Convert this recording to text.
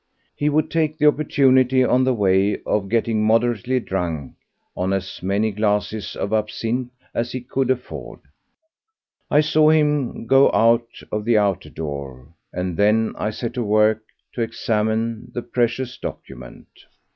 He would take the opportunity on the way of getting moderately drunk on as many glasses of absinthe as he could afford. I saw him go out of the outer door, and then I set to work to examine the precious document.